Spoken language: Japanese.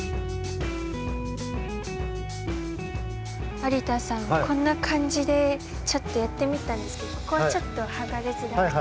有田さんこんなかんじでちょっとやってみたんですけどここちょっとはがれづらくて。